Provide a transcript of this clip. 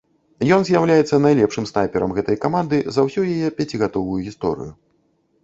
Ён з'яўляецца найлепшым снайперам гэтай каманды за ўсю яе пяцігадовую гісторыю.